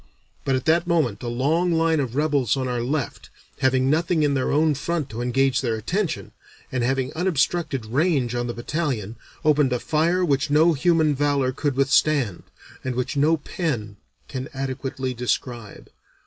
But at that moment a long line of rebels on our left, having nothing in their own front to engage their attention, and having unobstructed range on the battalion, opened a fire which no human valor could withstand, and which no pen can adequately describe.